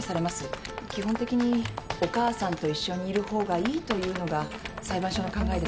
基本的にお母さんと一緒にいるほうがいいというのが裁判所の考えです。